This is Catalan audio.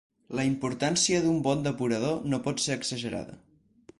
La importància d'un bon depurador no pot ser exagerada.